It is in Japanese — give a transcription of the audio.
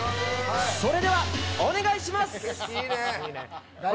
それではお願いします。